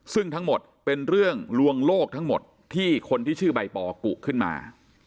ซึ่งทั้งหมดเป็นเรื่องลวงโลกทั้งหมดที่คนที่ชื่อใบปอกุขึ้นมา